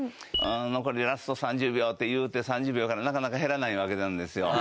「残りラスト３０秒」って言うて３０秒からなかなか減らないわけなんですよ。